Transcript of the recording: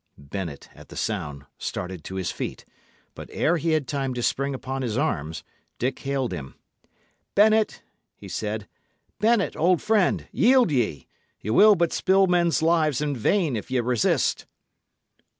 Bennet, at the sound, started to his feet; but ere he had time to spring upon his arms, Dick hailed him. "Bennet," he said "Bennet, old friend, yield ye. Ye will but spill men's lives in vain, if ye resist."